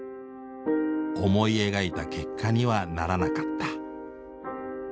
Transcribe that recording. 思い描いた結果にはならなかった。